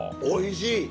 おいしい！